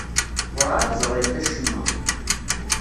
Werɛad ẓrint acemma.